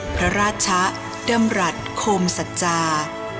พระราชะดำรัฐโคมสัจจา